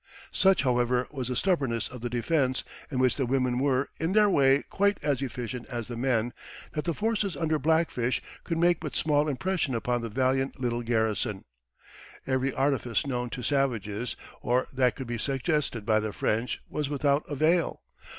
"] Such, however, was the stubbornness of the defense, in which the women were, in their way, quite as efficient as the men, that the forces under Black Fish could make but small impression upon the valiant little garrison. Every artifice known to savages, or that could be suggested by the French, was without avail.